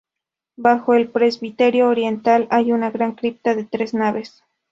Bajo el presbiterio oriental hay una gran cripta de tres naves.